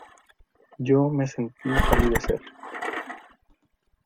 yo me sentí palidecer.